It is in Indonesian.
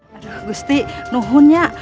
aduh gusti nuhunnya